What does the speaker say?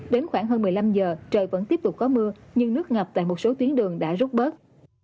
đến khoảng hơn một mươi năm giờ trời vẫn tiếp tục có mưa nhưng nước ngập tại một số tuyến đường đã rút bớt